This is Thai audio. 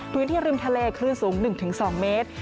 ริมทะเลคลื่นสูง๑๒เมตร